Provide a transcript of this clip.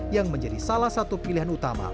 yang menjadi salah satu pilihan utama